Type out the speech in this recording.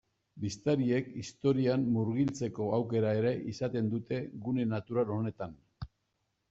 Bisitariek historian murgiltzeko aukera ere izanen dute gune natural honetan.